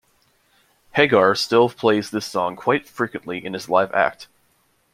Hagar still plays this song quite frequently in his live act.